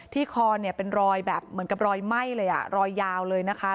คอเนี่ยเป็นรอยแบบเหมือนกับรอยไหม้เลยอ่ะรอยยาวเลยนะคะ